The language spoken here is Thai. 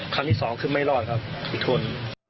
ครั้งที่๒คือไม่รอดครับปิดทน